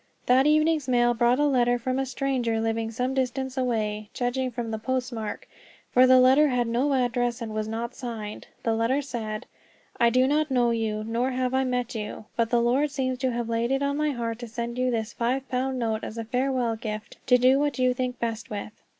That evening's mail brought a letter from a stranger living some distance away, judging from the postmark; for the letter had no address, and was not signed. The letter said: "I do not know you, nor have I met you, but the Lord seems to have laid it on my heart to send you this five pound note as a farewell gift, to do what you think best with."